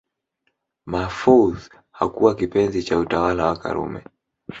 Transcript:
Mahfoudh hakuwa kipenzi cha utawala wa Karume